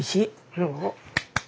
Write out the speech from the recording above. そう？